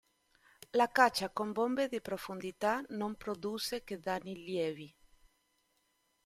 La caccia con bombe di profondità non produsse che danni lievi.